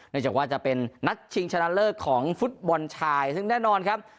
จากว่าจะเป็นนัดชิงชนะเลิศของฟุตบอลชายซึ่งแน่นอนครับ